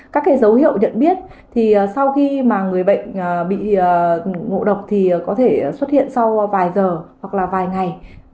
các dấu hiệu nhận biết thì sau khi mà người bệnh bị ngồi đọc thì có thể xuất hiện sau vài giờ hoặc là vài ngày